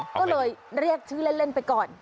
ก็เลยเรียกชื่อเล่นไปก่อน